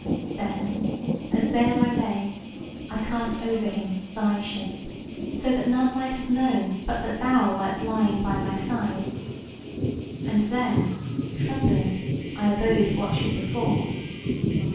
Then as there I lay I cast over him thy shape, so that none might have known but that thou wert lying by my side, and there, trembling, I abode what should befall.